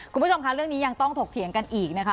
คุณผู้ชมคะเรื่องนี้ยังต้องถกเถียงกันอีกนะคะ